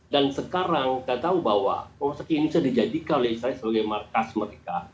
dan sekarang kita tahu bahwa rumah sakit indonesia dijadikan oleh israel sebagai markas mereka